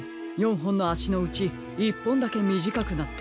ほんのあしのうち１ぽんだけみじかくなっていますね。